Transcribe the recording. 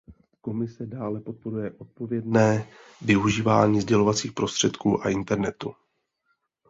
Komise dále podporuje odpovědné využívání sdělovacích prostředků a internetu.